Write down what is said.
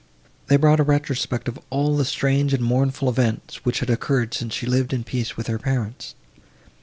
They brought a retrospect of all the strange and mournful events, which had occurred since she lived in peace with her parents.